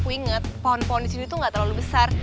gue inget pohon pohon disini tuh gak terlalu besar